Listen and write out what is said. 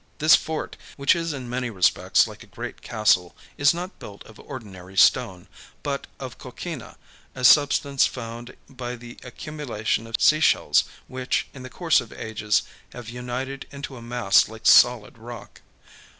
This fort, which is in many respects like a great castle, is not built of ordinary stone, but of coquina, a substance formed by the accumulation of sea shells which, in the course of ages, have united into a mass like solid rock.